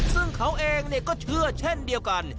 ซึ่งเขาเองก็เชื่อเช่นเดียวกัน